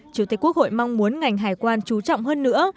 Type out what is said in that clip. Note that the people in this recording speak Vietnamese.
chủ tịch quốc hội mong muốn ngành hải quan trú trọng hơn nữa